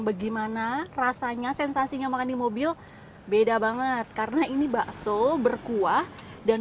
bagaimana rasanya sensasinya makan di mobil beda banget karena ini bakso berkuah dan